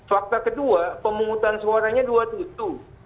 fakta kedua pemungutan suaranya dua tutup